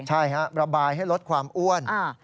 ใช่ฮะระบายให้ลดความอ้วน